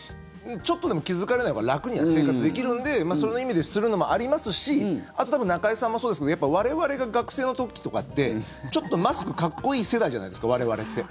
ちょっとでも気付かれないほうが楽には生活できるのでその意味でするのもありますしあと多分中居さんもそうですけどやっぱ我々が学生の時とかってちょっとマスクかっこいい世代じゃないですか、我々って。